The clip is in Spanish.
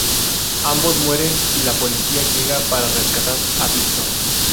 Ambos mueren y la policía llega para rescatar a "Víctor".